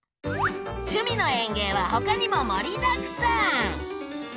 「趣味の園芸」はほかにも盛りだくさん！